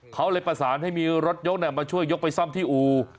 เขาเลยประสานให้มีรถยกมาช่วยยกไปซ่อมที่อู่